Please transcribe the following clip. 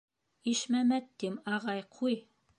Ишмәмәт тим, ағай, ҡуй!